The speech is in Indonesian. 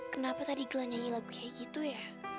kenapa tadi glenn nyantai lagu kayak gitu ya